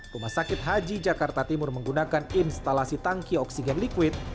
rumah sakit haji jakarta timur menggunakan instalasi tangki oksigen liquid